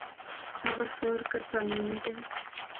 هغه ښار کسل نومیده.